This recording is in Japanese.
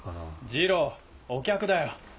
二郎お客だよ。